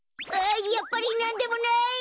やっぱりなんでもない！